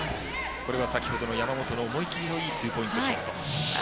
これが先ほどの山本の思い切りのいいツーポイントシュート。